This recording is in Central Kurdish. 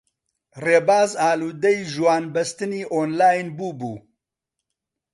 ڕێباز ئاڵوودەی ژوانبەستنی ئۆنلاین بووبوو.